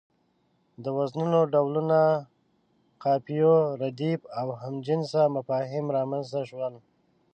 د وزنونو ډولونه، قافيو، رديف او هم جنسه مفاهيم رامنځ ته شول.